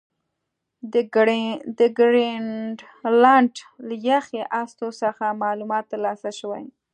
د ګرینلنډ له یخي هستو څخه معلومات ترلاسه شوي